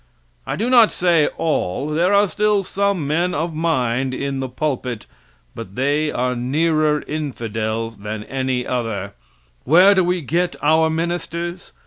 I do not say all. There are still some men of mind in the pulpit, but they are nearer infidels than any others. Where do we get our ministers?